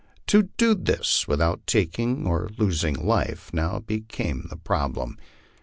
To do this without taking or losing life now became the problem.